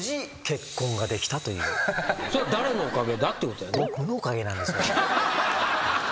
それは誰のおかげだってことやんね。